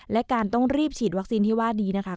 และการต้องรีบฉีดวัคซีนที่ว่านี้นะคะ